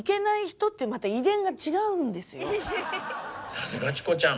さすがチコちゃん！